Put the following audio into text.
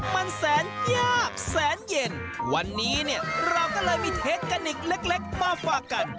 มันแสนยากแสนเย็นวันนี้เนี่ยเราก็เลยมีเทคนิคเล็กมาฝากกัน